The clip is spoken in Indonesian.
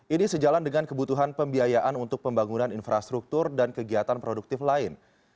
ini sejalan dengan kebutuhan pembiayaan untuk pembangunan infrastruktur dan kegiatan produktif lain